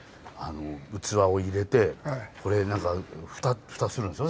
器を入れてこれ何か蓋するんでしょ？